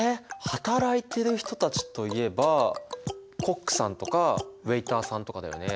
働いてる人たちといえばコックさんとかウエイターさんとかだよね。